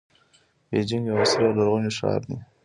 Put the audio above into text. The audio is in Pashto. بیجینګ یو عصري او لرغونی ښار دی.